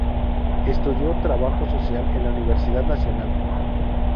Estudió trabajo social en la Universidad Nacional.